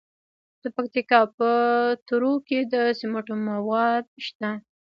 د پکتیکا په تروو کې د سمنټو مواد شته.